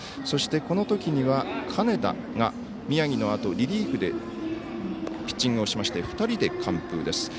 そして、このときには金田が宮城のあとリリーフでピッチングをしまして２人で完封です。